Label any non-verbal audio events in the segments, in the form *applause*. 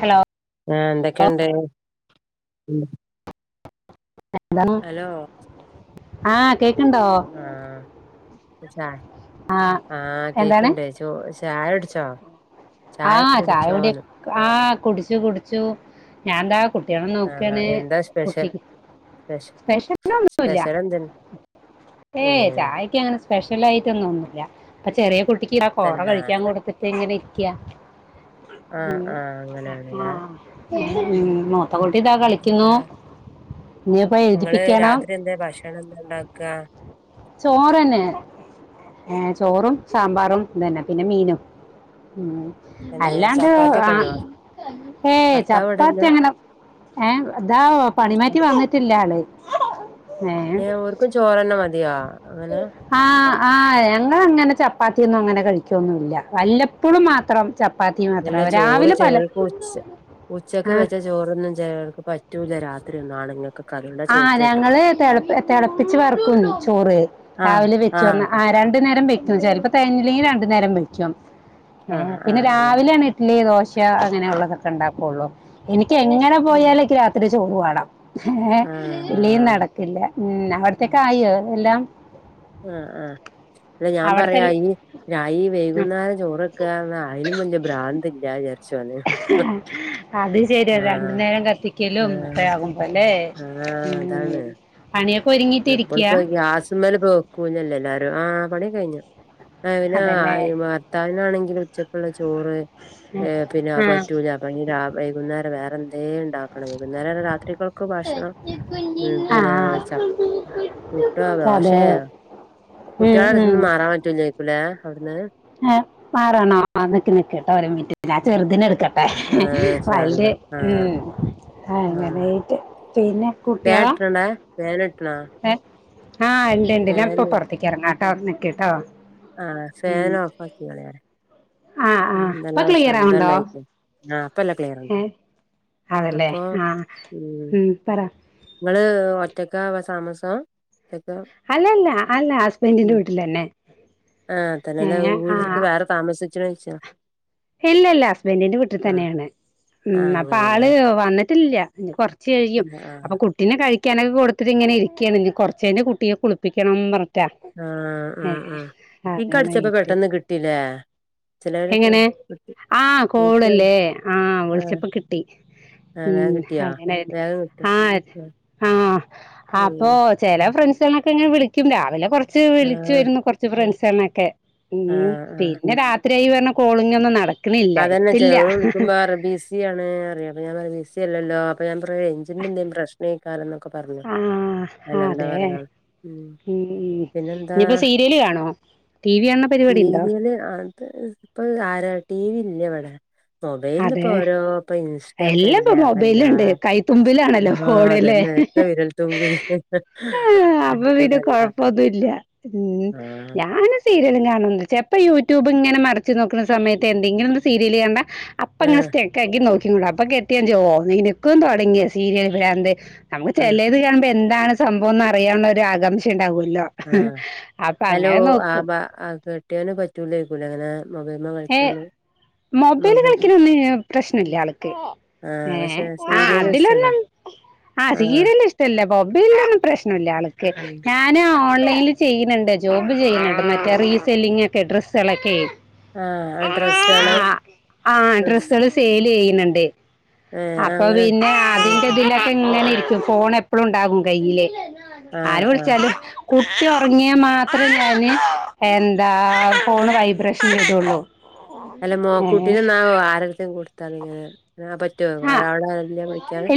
Hello ആ എന്തേക്കെണ്ട് *unintelligible* ആ കേക്ക്ണ്ടോ ആഹ് ചായ ആ എന്താണ് കേക്ക്ണ്ടേച് ദോശ ചായുടിച്ചോ ആ ചായ കുടി ആ കുടിച്ചു കുടിച്ചു ഞാന്താ കുട്ടിയളെ ആ നോക്കാണ് എന്താ സ്പെഷ്യൽ കുട്ടി സ്പെഷ സ്പെഷലൊന്നുല്ല സ്പെഷ്യൽ എന്ത ഏ ഏയ് ചായയ്ക്ക് അങ്ങനെ സ്പെഷ്ലായിട്ടൊന്നുന്നുല്ല പ്പ ചെറിയ കുട്ടിക്ക് ഞാൻ കോറ തന്നെ കഴിക്കാൻ കൊടുത്ത് തെങ്ങനെ ക്യാ ആ ആ അങ്ങനെയാണല്ലേ ഉം മൂത്ത കുട്ടി ദാ കളിക്കുന്നു പിന്നെന്താ ഞിപ്പം എഴുതിപ്പിക്കണം ഇങ്ങളന്താണ്ടാക്ക ചോറെന്നെ ഏ ചോറും സാമ്പാറും തെന്നെ പിന്നെ മീനും മ് പിന്നെ അല്ലാണ്ട് ആ ചപ്പാത്തിയൊക്കെ ഉണ്ടോ ഏ ഭർത്താവ് ഇവിടില്ല ചപ്പാത്തി അങ്ങനെ ഏ ദാഓ ഭർത്താവ് പണിമാറ്റി വന്നിട്ടില്ല ആള് ഏ ഓര്ക്കും ചോറെന്നെ മതിയോ അങ്ങനെ ആഹ് ആഹ് ഞങ്ങള് അങ്ങനെ ചപ്പാത്തിയൊന്നും അങ്ങനെ കഴിക്കൊന്നുല്ല വല്ലപ്പോഴും മാത്രം. ചപ്പാത്തി അല്ല മാത്രം ചോറ് രാവിലെ പല ചിലർക്ക് ഉച്ച ഉച്ചക്ക് ആ വെച്ച ചോറൊന്നും ചെലോർക്ക് പറ്റൂല രാത്രിയൊന്നും, ആണെങ്ങക്ക്. ആഹ് ഞങ്ങള് തെള തെളപ്പിച്ച് വർക്കും ചോറ് രാവിലെ വെച്ചോന്ന് ആഹ് രണ്ടു നേരം വെക്കും ചിലപ്പോ. *unintelligible* രണ്ടു നേരം വിളിച്ചോ ആഹ് പിന്നെ ആഹ് അങ്ങനെ രാവിലെയാണ് ഇഡ്ഡലി ദോശ അങ്ങനെ ഉള്ളതൊക്കെ ഉണ്ടാക്കുള്ളൂ എനിക്ക് എങ്ങനെ പോയാലും *unintelligible* ഇത്തിരി ചോറ് വേണം ഏഹ് ആഹ് ഇല്ലെങ്കി ആഹ് നടക്കില്ല. ഉം അവിടത്തേക്ക് ആയോ എല്ലാം? ആഹ് ആഹ് അല്ല ഞാൻ അവിടുത്തെ പറയാ എല്ല- ഇനി ഞാനീ വൈകുന്നേരം ചോറൊക്ക ആയാലും വലിയ ഭ്രാന്ത് ഇല്ല വിചാരിച്ചാന്ന് അത് ശരിയാ, രണ്ടു നേരം കത്തിക്കലും ഒക്കെ ആഹ് ആകും. ല്ലെ ആഹ് ഉം അതാണ് പണിയൊക്കെ ഒരുങ്ങിട്ട് ഇരിക്കയാ? ഇപ്പളിപ്പോ *unintelligible* എല്ലാരും ആ പണിയൊക്കെ കഴിഞ്ഞു. പ്പവ ന് അതല്ലേ ആയി ഭർത്താവിനാണെങ്കില് ഉച്ചക്കുള്ള ചോറ്, ഏ ഉം, പിന്നെ ആ പറ്റൂല അ വൈകുന്നേരം വേറെ എന്തേണ്ടാവും. *inaudible* വൈകുന്നേരം രാത്രികൾക്ക് ഭക്ഷണം ഉം ആ പിന്നെ ഇണ്ട? പുട്ടോ അതെ ദോശേ ഉം, ഉം. കുട്യാളടുത്തുന്ന് മാറാൻ പറ്റൂലേക്കുലെ അവിടുന്ന്? ആ മാറാണോ നിക്ക്നിക്ട്ടോ, ഓര് മിൻട്ട് ഞാ ചെറുതിനെ എടുക്കട്ടെ ആഹ് ശാന്ത *unintelligible* ആഹ് ഉം ആഹ് അങ്ങനേറ്റ് പിന്നെ ഫാൻ കുട്ടിയാളാ ഇട്ടണേ ഫാൻ ഇട്ടണോ ആഹ് ണ്ട് ണ്ട് ഫാൻ ഞാനിപ്പോ പുറത്തേക്ക് ഇറങ്ങാട്ടോ നിക്കിട്ടോ ആഹ് ഫാൻ ഓഫ് ആക്കിയാളി. ആ ആ പിന്നെ ഇപ്പൊ എന്തെല്ലാം ക്ലിയർ ആവുണ്ടോ ശബ്ദമുണ്ടായി ആഹ് ഇപ്പം എല്ലാം ക്ലിയറാണ് ഏ അതല്ലേ ആഹ് ഉം പറ ഇങ്ങള് ഒറ്റക്കാ താമസം ഒറ്റക്ക അല്ലല്ല അല്ല ഹസ്ബൻഡിൻ്റെ വീട്ടിലന്നെ ഏഹ് ആഹ് താമസിച്ചു കഴിച്ചാ ഇല്ലില്ല ഹസ്ബൻഡിൻ്റെ വീട്ട് ആഹ് തന്നാണ് ആഹ് ഉം അപ്പൊ അങ്ങനെല്ലേ ആള് വന്നിട്ടില്ല കുറച്ച് കഴിയും. ആഹ് ആഹ് കുട്ടിനെ കഴിക്കാനൊക്കെ കൊടുത്തിട്ട്ങ്ങനെ ഇരിക്കാ. ഇനി കുറച്ചുകഴിഞ്ഞ് കുട്ടിയെ കുളിപ്പിക്കണം. ആഹ് ഏഹ് ആഹ്ആഹ് ഇന്കടിച്ചപ്പോ അതാണായിട്ട് പെട്ടന്ന് കിട്ടില്ലേ. ചിലവർക്ക് എങ്ങനെ, കിട്ടി ആ ഇൻക്ക് കോളല്ലേ ആ ആഹ് വിൾച്ചപ്പ കിട്ടി. ആഹ് വേഗം ഉം കിട്ടിയോ അങ്ങനേല്ല വേഗം കിട്ടിയോ ആഹ് ആ ഉം അപ്പൊ ഉം ചെല ഫ്രണ്ട്സളൊക്കെങ്ങെ വിളിക്കും. രാവിലെ കൊറച്ച് ആഹ് വിളിച്ചിരുന്നു കൊർച്ച് ഫ്രെണ്ട്സിനൊക്കെ. ഉം ആഹ് ആഹ് പിന്നെ രാത്രിയായിപറഞ്ഞ കോളിങ് ഒന്നും നടക്കൂ അതെന്ന് ചേലോരെ വിളിക്കുമ്പറയും ബിസി ബിസിയാണ് റയാ അപ്പ ഞാ പറഞ്ഞ് ബിസിയലല്ലോ അപ്പൊ ഞാൻ പറഞ്ഞ് റൈഞ്ചിന്റെ എന്തെലും പ്രശ് ലെ ക്കാരം ന്നൊക്കെ പറഞ്ഞു. ആഹ് അല്ലാന്ത പറയാ പിന്നെന്താ ഇനിപ്പോ സീരിയല് കാണോ ടി വി കാണുന്ന പരിപാടി ഉണ്ടോ സീരിയല് അത് ഇപ്പൊ ആരാ ടി വി ഇല്ല ഇവടെ. അതെ എല്ലാം ഇപ്പ ഒക്കെല്ലേ അപ്പ എല്ലാരും മൊബൈലുണ്ട് കൈത്തുമ്പിലാണല്ലോ ആഹ് ഫോണ് ലെ? അതന്നെ ഒക്കെ വിരൽത്തുമ്പിൽ അപ്പൊ പിന്നെ അതാണല്ല കൊഴപ്പൊന്നുല്ല ഉം ആഹ് ഞാന് സീരിയലും കാണുണ്ട്. ചെൽ പ്പോ യൂട്യൂബ് ഇങ്ങനെ മർച്ച് നോക്കുണ സമയത്ത് എന്തെങ്കിലും ഒന്ന് സീരിയല് കണ്ടാ ഇപ്പൊ ഇങ്ങനെ ആഹ് സ്റ്റെക്ക് ആക്കി നോക്കിയുള്ളൂ അപ്പൊ കെട്ടിയാ ജോ നി നക്കും തൊട ങ്യോ സീരിയൽ പ്രാന്ത്. നമമ ആഹ് ചെലെ ത് കാണുമ്പോ എന്താണ് സംഭവംന്ന് അറിയാനുള്ള രു ആകാംക്ഷ ഉണ്ടാവുല്ലോ. അപ്പൊ അങ്ങനെ നോക്കും. ആഹ് കെട്ടിയൊന് പറ്റൂലായിക്കൂല ലെ ഇ ങ്ങനെ മൊബൈൽമെ ഏ കളിച്ച് ണത്? മൊബൈല് കളിക്കണൊന്നും പ്രശ്നല്ല ആൾക്ക്. ആഹ് ഏ പക്ഷെ ആ സീരിയല് വെച്ചതാ അതിലൊന്നും ആ ആഹ് സീരിയല് ഇഷ്ടമല്ല മൊബൈലൊന്നും പ്രശ്നം ഇല്ല ആള്ക്ക്‌ ഉം ന ഞാന് ഓൺലൈനിൽ ചെയ്യുന്നുണ്ട് ജോബ് ചെയ്യുന്നുണ്ട് മറ്റേ റീസെല്ലിംങ്ങോക്കെ ഡ്രസ്സുകളൊക്കെ ആഹ് ആ ഡ്രസ്സാള് ആഹ് ആഹ് ഡ്രസ്സ് ഡ്രെസ്സുകള് സെയില് ചെയ്യുന്നുണ്ട് ഏഹ് അപ്പൊ അങ്ങനെ പിന്നെ ആഹ് അതിന്റെതിലൊക്കെങ്ങനെ ഇരിക്കും ഫോൺ എപ്പളുംണ്ടാകും കയ്യില് ആഹ് ആര് ആഹ് ആഹ് വിളിച്ചാലും കുട്ടി ഒറങ്ങിയാ മാത്രേ ഞാന് എന്താ ഫോണ് വൈബ്രേഷൻ ഇടൊള്ളു അല്ല മോ ക്കുട്ടിനന്നാ ആരെടുതേം കൊടുത്താളി ഇങ്ങള് ന്നാ പ ഏറ്റവും ആ അവിടെ നല്ല കുളിക്കാന്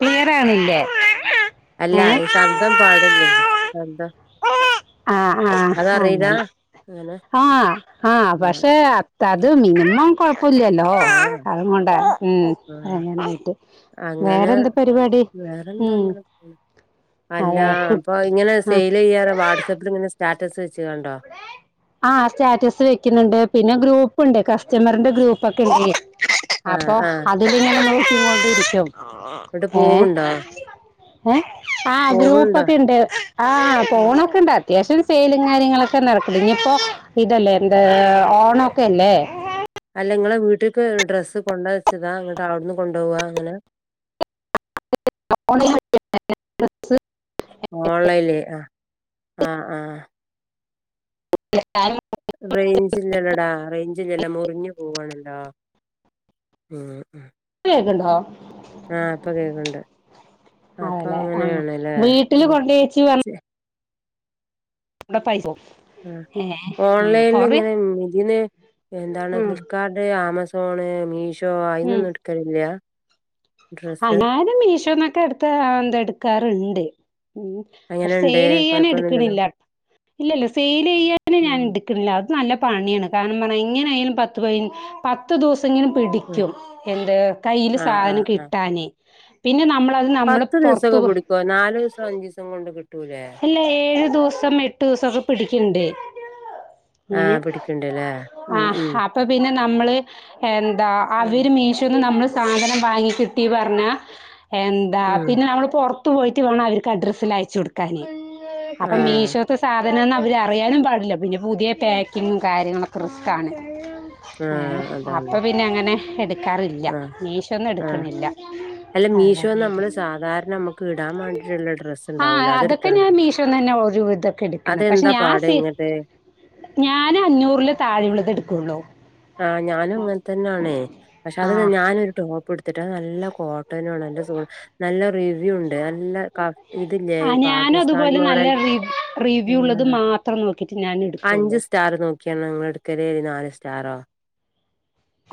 ക്ലിയറാവ്ണില്ലേ അല്ല ശബ്ദം പാടില്ലല്ലോ ശബ്ദം ആ അതറീലാ അങ്ങനെ ആഹ് ആഹ് പക്ഷെ അത്ത അത് മിനിമം കുഴപ്പമില്ലല്ലോ ഓ ആഹ് അതുംകൊണ്ട ഉം ആഹ് അങ്ങനായിട്ട് അങ്ങനെ വേറെന്ത് പരിപാടി വേറെന്താ ഉം അങ്ങനെ പോ അല്ല അതെ കുട്ടി അപ്പൊ ഇങ്ങനെ ആ സെയ്ൽ ചെയ്യാറ് വാട്സാപ്പിലിങ്ങനെ സ്റ്റാറ്റസ് വെച്ചിങ്ങാണ്ടോ *inaudible* ആ സ്റ്റാറ്റസ് വെക്കുന്നുണ്ട് പിന്നെ ഗ്രൂപ്പുണ്ട് കസ്റ്റമറിന്റെ ഗ്രൂപ്പൊക്കെയിണ്ടെ ആഹ് അപ്പൊ ആഹ് അതിലിങ്ങനെ നോക്കിനോക്കിയിരിക്കും എന്നിട്ട് ഏ പോവുണ്ടോ ഏ ആ പോവുണ്ടോ ഗ്രൂപ്പൊക്കെ ഉണ്ട് ആ ഉം ഫോണൊക്കെ ഉണ്ട് അത്യാവശ്യം സെയിലും കാര്യങ്ങളൊക്കെ *unintelligible* ഇനിയിപ്പോ ഇതല്ലേ എന്ത് ഓണൊക്കെ അല്ലേ.? അല്ല നിങ്ങളെ വീട്ടിക്ക് ഡ്രസ്സ് കൊണ്ടവെച്ചതാ നിട്ട് അവിടുന്ന് കൊണ്ടോവ്വ അങ്ങനെ *unintelligible* ഓൺലൈനിലെ ആഹ് ആഹ് ആഹ് *inaudible* റയ്ഞ്ച്ല്ലല്ലടാ റയ്ഞ്ച്ല്ലല്ലോ മുറിഞ്ഞു പോവാണല്ലോ ആ അ കേൾക്കുണ്ടോ ആഹ് ഇപ്പൊ കേൾക്കണ്‌ണ്ട് അതല്ലെ ആ വീട്ടില് ഉം കൊണ്ടേയ്ച്ച് പറഞ്ഞെ ചെ ന്നാ പൈസ പോം ആഹ് ഓൺലൈനിൽ ഇങ്ങനെ ഇത്ന്ന് എന്താണ് ആ ഫ്ലിപ്കാഡ്‌ ആമസോ സോണ് മീഷോ അയിന്നൊന്നും എടുക്കലില്ല ഡ്രസ്സ്? അന്നാലും മീഷോന്നൊക്കെ അടുത്ത എന്ത എടുക്കാറുണ്ട് ഉ പക്ഷെ എങ്ങനെണ്ട്? സെയില് ചെയ്യാന് കൊഴപ്പൊന്നുല്ലല്ലോ? എടുക്കണില്ല ഇല്ലല്ല സെയിൽ ചെയ്യാന് ഉം. ഞാനട് ടുക്കണില്ല അത് നല്ല പണിയാണ് കാരണം ന്നറഞാ എങ്ങനായാലും പത്ത് പയിന്നു പത്തു ദിവസങ്ങനെ ഉം. പിടിക്കും എന്ത് കയ്യില് ആഹ് ആഹ് സാധനം ആഹ്. കിട്ടാനെ പിന്നെ നമ്മളത് നമ്മൾ പുറത്ത് പോയി നാലുസം അഞ്ചീസം കൊണ്ട് കിട്ടൂലേ അല്ല ഏഴ് ദൂസം എട്ട് ദൂസൊക്കെ പിട്ക്ക്ണ്ട് ഏ ആഹ് പിടിക്ക്ണ്ട്ല്ലേ? ഉം ആഹ് ഉം. ഹ പ്പ പിന്നെ നമ്മള് എന്താ ആഹ്. അവ്‌ര് മീഷോന്ന് നമ്മള് സാധനം വാങ്ങിക്കിട്ടീ പറഞ്ഞ എന്താ ഉം. പിന്നെ നമ്മള് പൊറ പോയിട്ട് വേണം അവർക്ക് അഡ്രസ്സെല്ലാം അയച്ചു കൊടുക്കാന് അപ്പൊ ആഹ്. മീഷോ ഇപ്പോ സാധനാന്നും അവർ അറിയാനും പാടില്ല പിന്നെ പുതിയ പാക്കിങ്ങും കാര്യങ്ങളൊക്കെ റിസ്ക്കാണ് ങേ ആഹ് അതാണ്. അപ്പം പിന്നെ അങ്ങനെ എടുക്കാറില്ല ആഹ് മീഷോന്നു ആഹ്. എടുക്കുന്നില്ല അല്ല മീഷോന്ന് നമ്മള് സാധാരണ നമ്മക്ക് ഇടാ വാണ്ടിയിട്ട്ള്ള ഡ്രസ്സ് ഇണ്ടാവല്ലോ അതെടു ക്കെ ഞാൻ മീഷോന്നന്നെ ഒരുവിധോക്കെ എട്ക്ക്ന്ന്പക്ഷെ അതെന്താ ഞാൻ പാട് സെയി ഇങ്ങട്ട്? ഞാൻ അഞ്ഞൂറില് താഴെയുള്ളതേ എടുക്കുള്ളൂ ആഹ് ഞാനും ഇങ്ങൻത്തന്നെ ആണേ പക്ഷെ അത് ആഹ് ഞാനൊരു ടോ ഇപ്പോടുത്തിറ്റ് നല്ല കോട്ടനും ആണ് അയിന്റെ സുഖം നല്ല റിവ്യൂ ഉണ്ട് നല്ല ക ഇതില്ലേ ആഹ് ഞാനും പാകിസ്ഥാനി അതുപോലെ മോഡല് *unintelligible* ത്രം നോക്കിട്ട് ഞാൻ ട്ക്കൊള്ളൂ ക്കൻ ങ്ങളട്ക്കലൊരു നാല് സ്റ്റാറോ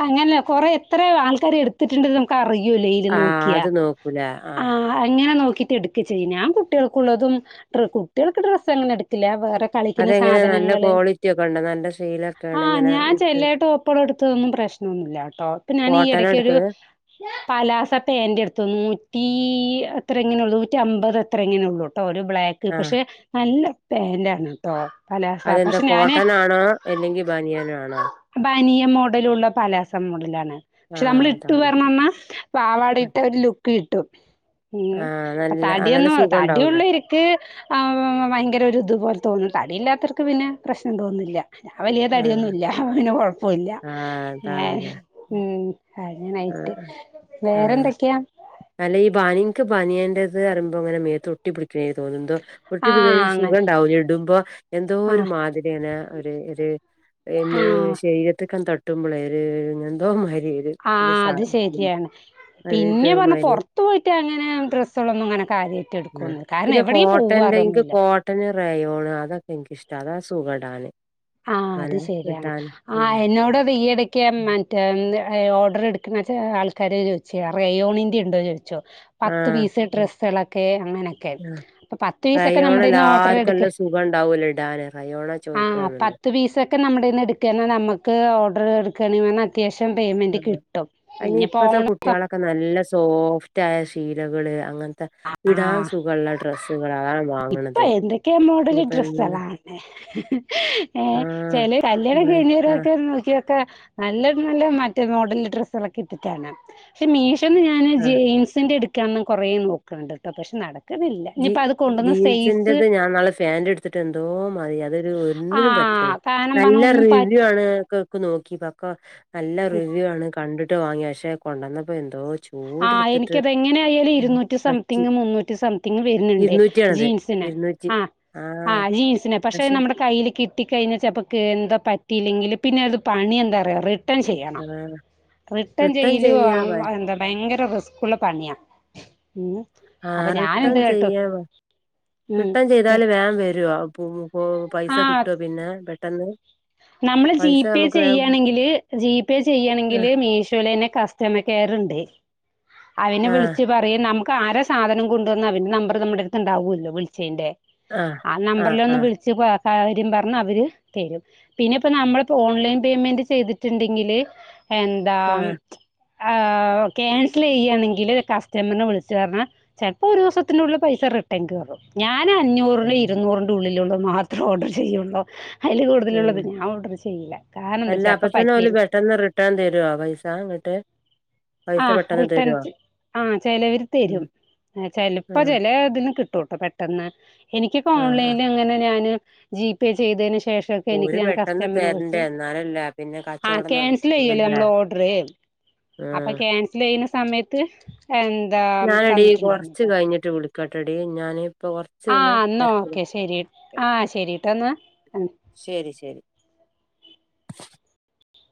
അങ്ങനെയ കൊറെ എത്ര ആൾക്കാര് എടുത്ത് ത്തിട്ടുണ്ട് നമുക്ക് അറിയൂല്ല ഇയ്ല് ആഹ് നോക്ക്യാ അത് നോക്കൂലേ ആ ആഹ് അങ്ങനെ നോക്കിട്ട് എടുക്ക ചെയ്യ ഞാൻ കുട്ടികൾക്കുള്ളതും കുട്ടികൾക്ക് ഡ്രസ്സ് അങ്ങനെ എടുക്കില്ല വേറെ കളിക്ക്‌ന്ന അതെങ്ങനെ നല്ല സാധനങ്ങള് ക്വാളിറ്റി ഒക്കെ ഉണ്ടോ നല്ല ആ ശീലൊക്കെയാണ് ഇങ്ങനെ ഞാൻ എടുത്തത് ചെല്ലായിട്ട് *unintelligible* എട്ത്തൊ പ്രശ്നൊന്നുല്ല ട്ടോ ഇപ്പൊ ഞാൻ ഈ കോട്ടനാ ഇടക്കൊരു എടുക്കല് പലാസ പേൻറ് എടുത്തു നൂറ്റി എത്ര എങ്ങനെ ഉള്ളൂ നൂറ്റി അമ്പത് എത്ര എങ്ങനെ ഉള്ളൂട്ടോ ട്ടോ ഒരു ബ്ലാക്ക് ആഹ് പക്ഷെ നല്ല പാന്റാണ് ത്തോ പല അതെന്താ കോട്ടനാണോ അല്ലെങ്കിൽ ബനിയനാണോ ബനിയൻ മോഡലുള്ള പലാസ മോഡലാണ് പക്ഷെ ആഹ് നമ്മള് ഇട്ടു അതാണ് പർഞ്ഞെന്നാ പാവാടയിട്ട ഒരു ലുക്ക് കിട്ടും ഉം ആഹ് അപ്പൊ നല്ല ആ നല്ല തടിയൊന്നും സുഖം ഉണ്ടാവൂലേ തടിയുള്ളോര് ക്ക് ഭയങ്കര ഇതുപോലെ തോന്നും തടിയില്ലാത്തർക്ക് പിന്നെ പ്രശ്നം തോന്നുന്നില്ല ഞാൻ വല്യ ആഹ് തടിയൊന്നുല്ല അപ്പൊ പിന്നെ കൊഴപ്പുല്ല ആഹ് ഏ അതാണല്ലേ ഉം കഴിഞ്ഞു ആഹ് നൈറ്റ് ആഹ് വേറെന്തൊക്ക്യാ അല്ല ഈ ബാനി ഇൻക്ക്‌ ബനിയന്റെത് റിയുമ്പോ ങ്ങനെ മേത്തൊട്ടി പിടിക്കണമാരി തോന്നുന്തോ ആഹ് ഒട്ടിപ്പിടിക്കുമ്പോരു അങ്ങനെ സുഖണ്ടാവുല ഇടുമ്പോ എന്തോ ഒരു ആഹ് മാതിര്യാണ് ഒര് ഒര് ആഹ് ശരീരത്തൊക്കെ തട്ടുമ്പോളെ ഒരു എന്തോ മാതിരി ആ അത് ശെരിയാണ് ഒരിത് പിന്നെ പറഞ്ഞ മാരി പൊർ ത്ത് പോയിട്ടങ്ങനെ ഡ്രസ്സുകളൊന്നും അങ്ങനെ കാര്യായിട്ട് ആഹ് എടുക്കൊന്നുല്ല കാരണം പിന്നെ എവിടേം കോട്ടന്റെ ഇൻക്ക് പോവാറൊന്നുല്ല കോട്ടന്, റെയോണ് അതൊക്കെൻക്കിഷ്ട അതാ സുഖടാന് ആ അത് അങ്ങനെ ശരിയാണ് കിട്ടാന് ആ ഉം എന്നോട് ഈ ടക്ക് റ്റേ ഓഡർട്ക്ക്‌ണെ ചെ ആൾക്കാര് ചോയ്ച്ച റയോണിന്റെ ണ്ടോ ചോയ്ച്ചു പത്ത് ആഹ് പീസ് ഡ്രസ്സുകളൊക്കെ അങ്ങനെയൊക്കെ ആഹ് ക്കെ പ്പൊ പത്തീസൊക്കെ റയോൺ നമ്മളേന്ന് ഓഡർ എല്ലാർക്കും എടുക്ക നല്ല സുഖണ്ടാവല്ലോ ഇടാന് റയോണാ അ ചോയിക്കണോന്നുണ്ട് പത്ത് ത്ത് പിസൊക്കെ നമ്മുടെന്ന് എടുക്കാന്നെ നമ്മക്ക് ഓഡറെ അത്യാവശ്യം പേയ്മെന്റ് കിട്ടും കുട്ട്യാളൊക്കെ നല്ല സോഫ്റ്റായ ശീലങ്ങള് അങ്ങനെ ത ഇടാൻ ആഹ് സുഗള്ള ഡ്രസ്സുകള് അതാ ഇപ്പൊ എന്തൊക്കെ മോഡല് ഡ്രസ്സാളാണ് ഏ ആഹ് ചെല കല്യാണം ആഹ് കഴിഞ്ഞീരൊക്കെ നോക്കിയ റ്റെ നല്ലത് നല്ലത് മറ്റേ മോഡല് ഡ്രസ്സാളൊക്കെ ഇറ്റ്റ്റ് കാണാ ഷെ മീഷോന്ന് ഞാ ഞൻ ആഹ് ജെയിംസിന്റെ ഇടുക്കാ കൊറേ നോക്കണ്ട് കേട്ടോ പക്ഷെ നടക്കുന്നില്ല ഇനി ജി ജീൻസിന്റത് ഞാൻ ന്നാള് ഫാൻറ്ട്ത്ത്ട്ട് എന്തോ മാതിരി അതൊരു ഒന്നിനും പറ്റില്ല താനം പണം ഒന്നും പാറ്റി ണ് ക്കക്ക്‌ നോക്കി അപ്പൊ നല്ല റിവ്യൂ ആണ് കണ്ടിട്ട് വാങ്ങ്യ പക്ഷെ കൊണ്ടന്നപ്പോ എന്തോ ചൊ ആഹ് എനിക്കത എങ്ങനെയായാല ഇരുന്നൂറ്റി പറ്റി സംതിങ് മുന്നൂറ്റി സംതിങ്ങ് വര ന്നെണ്ട് ഇരുന്നൂറ്റിയാണത് ജീൻസിനെ ഇരുന്നൂറ്റി ആ ആ ആഹ് ജീൻസിനെ പക്ഷെ അത് നമ്മുടെ കയ്യിലേക്ക്‌ ട്ടി കയ്ഞ്ഞാ ചെ പ്പക്ക് എന്താ പറ്റില്ലെങ്കില് പിന്നെ അത് പണി എന്താറിയോ റി ട്ടെൻ ചെയ്യണം ആഹ് റിട്ടെൻ റിട്ടേൺ ചെയ്യലും ചെയ്യാ ആ എന്താ ഭയങ്കര റിസ്ക്കുള്ള പണിയാ ഉ ആഹ് റിട്ടേൺ ചെയ്യാമോ ഉം റിട്ടേൺ ചെയ ന്തായാലും വേം വെരോ പു പു പൈസ ആഹ് കിട്ടോ പിന്നെ പെട്ടെന്ന് നമ്മള് പൈസ ജിപേ നമുക്ക് വേം ചെയ്യാണെങ്കില് ജിപേ ആഹ് ചെയ്യണെങ്കില് മീഷോലെന്നെ കസ് ഛമ്മ കേറ്ണ്ട് അവനെ ആഹ് വിളിച്ച് പറ റി നമുക്ക് ആര സാധനം കൊണ്ടോന്നെ അവരെ നമ്പർ നമ്മളെട്ത്ത്ണ്ടാവുല്ലോ വിളിച്ചേന്റെ ആഹ് ആ ആഹ് നമ്പറിലൊ ഒന്ന് ആഹ് വിളിച്ച് കാര്യം പറഞ് അവര് തരും പിന്നെ ഇപ്പ നമ്മളിപ്പോ ഓൺലൈൻ പേയ്മെന്റ് ചെയ്തിട്ടുണ്ടെങ്കില് എന്താ ആഹ് ആ ക്യാൻസലെയ്യാണെങ്കില് കസ്റ്റമറിനെ വിളിച്ചു പർഞാ ചെലപ്പോ ഒരു ദിവസത്തിനുള്ള പൈസ റിട്ടേ കേറും ഞാന് അഞ്ഞൂറിന് ഇരുന്നൂറിന്റെ ഉള്ളില്ള്ള് മാത്രേ ഓഡറ് ചെയ്യോള്ളൂ അയില് കൂട്തലുള്ളത് ഉം ഞാൻ ഓർഡർ ചെയ്യില്ല കാരണം എന്താച്ചാപ്പ പറ്റേന് ട്ടെന്ന് റിട്ടേൺ തരുവോ പൈസ ഇങ്ങട്ട് പൈസ ആഹ് പെട്ടെന്ന് റിട്ടേൺ തരോ ആഹ് ചെലവര് ഉം തരും ചെല്പ്പം ആഹ് ചെലേ ഇതിന്ന് കിട്ടൂട്ടോ പെട്ടെന്ന് എനിക്ക്പ്പൊ ആഹ് ആഹ് ഓൺലൈന്ല് ഇങ്ങനെ ഞാന് ജിപേ ചെയ്തേന് ശേ ഫസ്റ്റൊക്കെ എനിക്ക് ഓര് ഞാൻ പെട്ടെന്ന് കസ്റ്റമിനെ തരണ്ടേ വിളിച്ച് എന്നാലല്ലേ പിന്നെ ആഹ് കച്ചവടം ക്യാൻസല്യ്യല്ലോ നടക്കുള്ളൂല്ലേ നമ്മള് ഓർഡർ അപ്പ ആഹ് ക്യാൻസലെയ്യ്ണ സമയത്ത് എന്താ ഞാനെടീ കൊറച്ച് തന്നിട്ട്ണ്ടായിന്നുട്ടോ കഴിഞ്ഞിട്ട് വിളിക്കാട്ടെടി ഞാന് ഇപ്പൊ കൊറച്ചൊന്ന് ആഹ് ഇന്നാ തെരക്കിലാ ഓക്കെ ശെരി ആഹ് ശരിട്ടോന്നാ ഉം ശരി ശരി